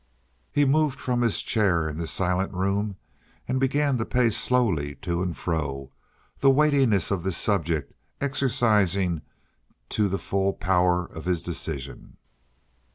He moved from his chair in this silent room and began to pace slowly to and fro, the weightiness of this subject exercising to the full his power of decision.